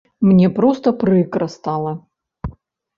Мне проста прыкра стала.